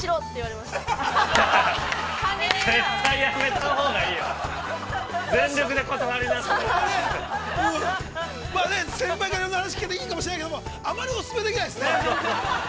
◆まあね、先輩の話を聞けていいかもしれないけど、あまりお勧めできないですね。